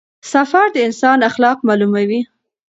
سفر د انسان اخلاق معلوموي.